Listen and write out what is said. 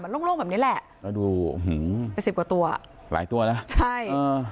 โล่งโล่งแบบนี้แหละแล้วดูหือไปสิบกว่าตัวหลายตัวนะใช่เออ